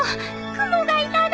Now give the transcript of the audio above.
クモがいたの。